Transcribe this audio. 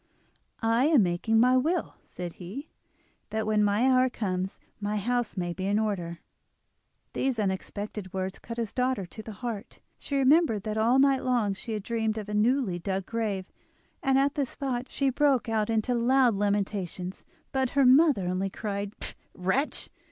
"I am making my will," said he, "that when my hour comes my house may be in order." These unexpected words cut his daughter to the heart; she remembered that all night long she had dreamed of a newly dug grave, and at this thought she broke out into loud lamentations. But her mother only cried: "Wretch!